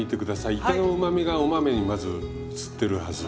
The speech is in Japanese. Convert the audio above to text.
いかのうまみがお豆にまずうつってるはず。